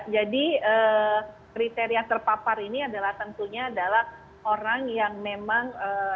kriteria terpapar ini adalah tentunya adalah orang yang memang